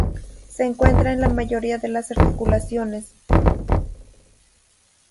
Se encuentran en la mayoría de las articulaciones.